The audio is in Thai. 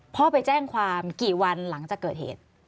พ่อไปแจ้งความกี่วันหลังจากเกิดเหตุ